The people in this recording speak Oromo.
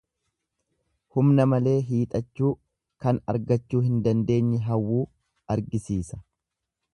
Humna malee hiixachuu, kan argachuu hin dandeenye hawwuu argisiisa.